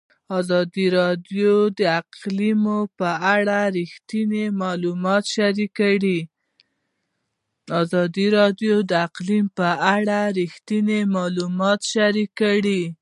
ازادي راډیو د اقلیم په اړه رښتیني معلومات شریک کړي.